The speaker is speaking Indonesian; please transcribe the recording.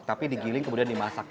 tapi digiling kemudian dimasak